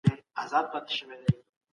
ولې بايد مونږ تېري ترخې تجربې تکرار کړو؟